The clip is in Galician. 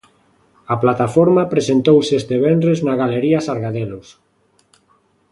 A plataforma presentouse este venres na Galería Sargadelos.